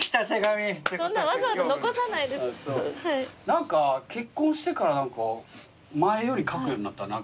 何か結婚してから前より書くようになった。